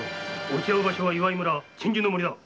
落ち合う場所は岩井村鎮守の森だ。